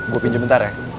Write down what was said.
gue pinjep bentar ya